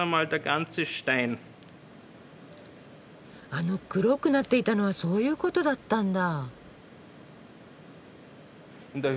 あの黒くなっていたのはそういうことだったんだ。